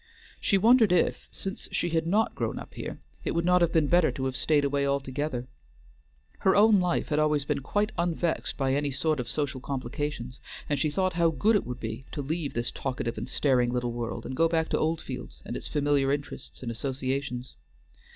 She wondered if, since she had not grown up here, it would not have been better to have stayed away altogether. Her own life had always been quite unvexed by any sort of social complications, and she thought how good it would be to leave this talkative and staring little world and go back to Oldfields and its familiar interests and associations.